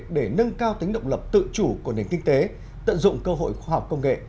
để nâng cao tính động lập tự chủ của nền kinh tế tận dụng cơ hội khoa học công nghệ